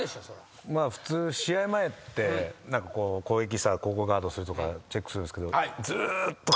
普通試合前って攻撃したらここをガードするとかチェックするんですけど。